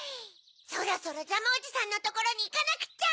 そろそろジャムおじさんのところにいかなくっちゃ！